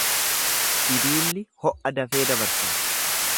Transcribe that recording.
Sibiilli ho’a dafee dabarsa.